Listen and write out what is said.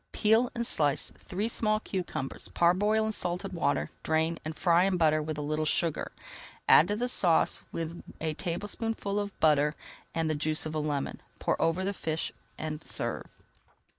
Peel and slice three small cucumbers, parboil in salted water, drain, and fry in butter with a little sugar. Add to the sauce with a tablespoonful of butter and the juice of a lemon. Pour over the fish and serve.